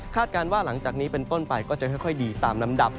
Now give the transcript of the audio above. การว่าหลังจากนี้เป็นต้นไปก็จะค่อยดีตามลำดับ